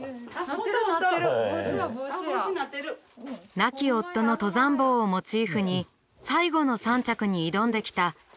亡き夫の登山帽をモチーフに「最後の３着」に挑んできた新谷さん。